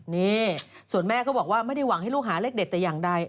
นี่ส่วนแม่ก็บอกว่าไม่ได้หวังให้ลูกหาเลขเด็ดแต่อย่างใด